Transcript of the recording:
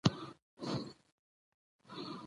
امکاني ماضي د امکان خبره کوي.